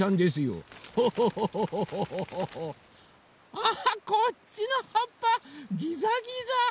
あこっちのはっぱギザギザ！